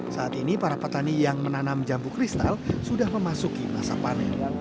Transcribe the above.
saat ini para petani yang menanam jambu kristal sudah memasuki masa panen